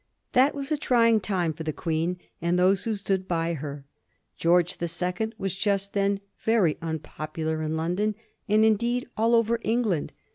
That was a trying time for the Queen and those who stood by her. George the Second was just then very un popular in London, and indeed all over England.